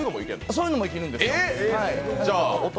そういうのもいけるんですよ。